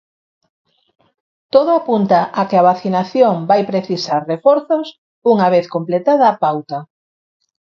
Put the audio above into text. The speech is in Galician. Todo apunta a que a vacinación vai precisar reforzos, unha vez completada a pauta.